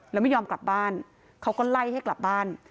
แล้วไม่ยอมกลับบ้านเขาก็ไล่ให้กลับบ้าน